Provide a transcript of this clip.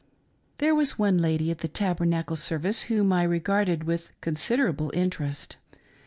There was one lady at the Tabernacle service whom I regarded with considerable interest.